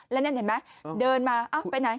แน็ตเห็นไหมเดินมาไปไหน